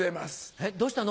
えっどうしたの？